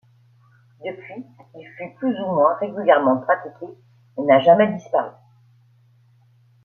Depuis, il fut plus ou moins régulièrement pratiqué mais n’a jamais disparu.